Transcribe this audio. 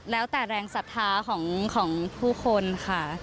แล้วแต่แรงศรัทธาของผู้คนค่ะ